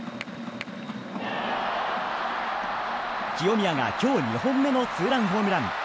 清宮が今日２本目のツーランホームラン。